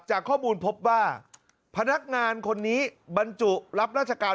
จากข้อมูลพบว่าพนักงานคนนี้บรรจุรับราชการ